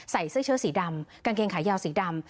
ใส่เสื้อเชื้อสีดำกางเกงขายาวสีดำ